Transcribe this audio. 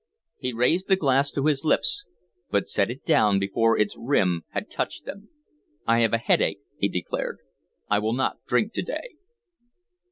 He raised the glass to his lips, but set it down before its rim had touched them. "I have a headache," he declared. "I will not drink to day."